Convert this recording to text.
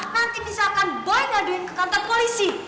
nanti misalkan boy ngaduin ke kantor polisi